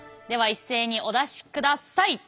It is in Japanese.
では一斉にお出しください。